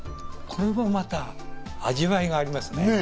これもまた味わいがありますね。